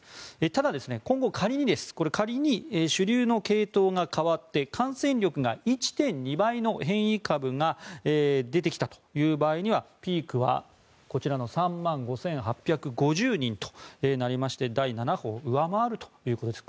ただ、今後仮に主流の系統が換わって感染力が１．２倍の変異株が出てきたという場合にはピークは、こちらの３万５８５０人となりまして第７波を上回るということです。